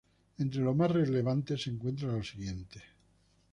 Entre lo más relevante se encuentra lo siguiente.